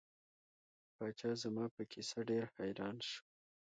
پاچا زما په کیسه ډیر حیران شو.